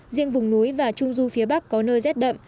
riêng vùng núi và trung du phía bắc có nơi rét đậm